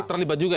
terlibat juga itu